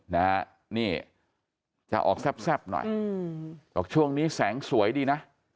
นะฮะนี่จะออกแซ่บหน่อยอืมบอกช่วงนี้แสงสวยดีนะ